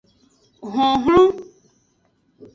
Honhlon.